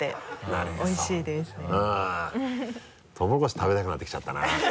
食べたくなってきちゃったな。